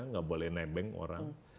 bukan boleh nembeng orang